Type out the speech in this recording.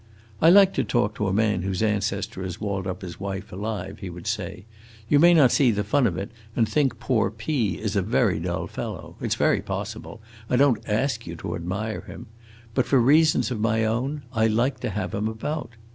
"I like to talk to a man whose ancestor has walled up his wife alive," he would say. "You may not see the fun of it, and think poor P is a very dull fellow. It 's very possible; I don't ask you to admire him. But, for reasons of my own, I like to have him about.